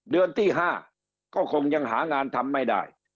เดือนที่๕ก็คงยังหางานทำไม่ได้